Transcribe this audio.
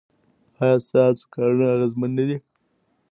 ایا ستاسو کارونه اغیزمن نه دي؟